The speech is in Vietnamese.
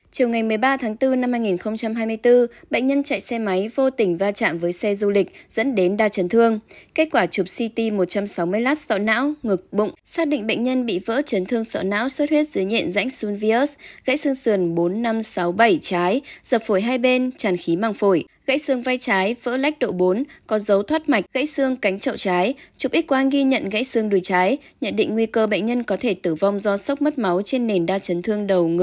chiều ngày một mươi ba tháng bốn năm hai nghìn hai mươi bốn bệnh nhân chạy xe máy vô tình va chạm với xe du lịch dẫn đến đa chấn thương kết quả chụp ct một trăm sáu mươi lát sọ não ngực bụng xác định bệnh nhân bị vỡ chấn thương sọ não xuất huyết dưới nhện dãnh sunvius gãy xương sườn bốn nghìn năm trăm sáu mươi bảy trái dập phổi hai bên tràn khí măng phổi gãy xương vai trái vỡ lách độ bốn có dấu thoát mạch gãy xương cánh chậu trái chụp x quang ghi nhận gãy xương đuổi trái nhận định nguy cơ bệnh nhân có thể tử vong do sốc mất máu trên nền đa chấn thương